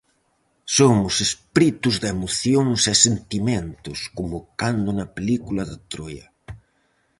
Somos espíritos de emocións e sentimentos, como cando na película de troia.